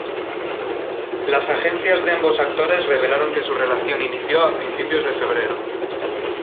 Las agencias de ambos actores revelaron que su relación inició a principios de febrero.